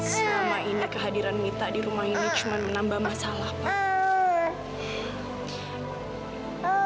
selama ini kehadiran mita di rumah ini cuma menambah masalah pak